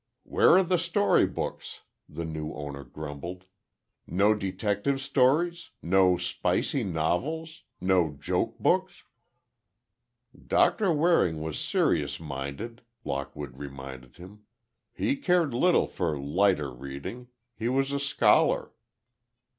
"Where are the story books?" the new owner grumbled. "No detective stories? No spicy novels? No joke books?" "Doctor Waring was serious minded," Lockwood reminded him. "He cared little for lighter reading. He was a scholar."